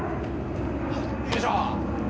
よいしょ。